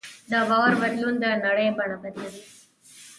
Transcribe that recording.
د باور بدلون د نړۍ بڼه بدلوي.